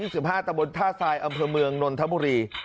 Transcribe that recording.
ตะบนท่าทรายอำเภอเมืองนนทบุรี